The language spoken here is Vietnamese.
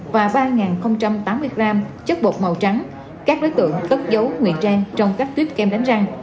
và ba tám mươi g chất bột màu trắng các đối tượng tất dấu nguyện trang trong các tuyếp kem đánh răng